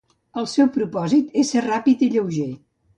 El seu propòsit és ser ràpid i lleuger.